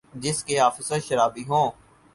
جس کے آفیسر شرابی ہوں